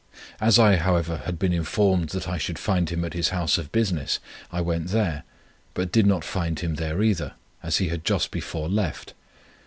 As I, however, had been informed that I should find him at his house of business, I went there, but did not find him there either, as he had just before left.